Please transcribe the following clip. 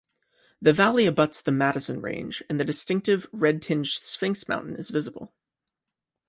The valley abuts the Madison Range and the distinctive, red-tinged Sphinx Mountain is visible.